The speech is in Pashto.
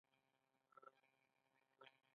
د چا د بیرې مې توبه او استغفار ونه کړ